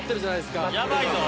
やばいぞ！